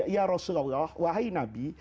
ya rasulullah wahai nabi